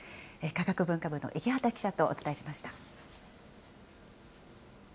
科学文化部の池端記者とお伝えしました。